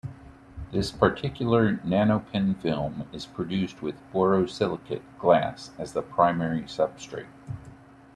This particular nanopin film is produced with borosilicate glass as the primary substrate.